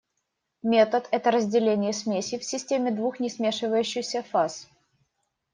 Метод – это разделение смеси в системе двух несмешивающихся фаз.